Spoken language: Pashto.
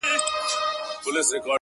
قافلې پر لويو لارو لوټېدلې.!